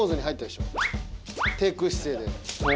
低空姿勢で。